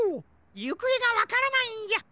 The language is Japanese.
ゆくえがわからないんじゃ。